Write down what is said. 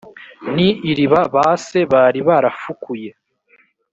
ni iriba ba se bari barafukuye